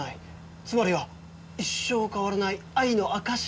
つまりは一生変わらない愛の証し。